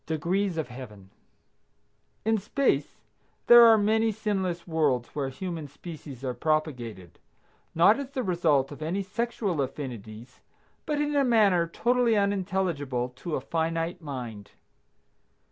DEGREES OF HEAVEN. In space there are many sinless worlds where human species are propagated, not as the result of any sexual affinities, but in a manner totally unintelligible to a finite mind.